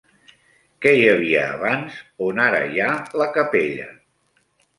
Què hi havia abans on ara hi ha la capella?